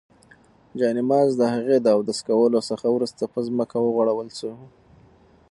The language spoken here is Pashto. جاینماز د هغې د اودس کولو څخه وروسته په ځمکه وغوړول شو.